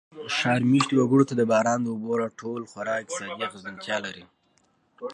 ښار مېشتو وګړو ته د باران د اوبو را ټول خورا اقتصادي اغېزمنتیا لري.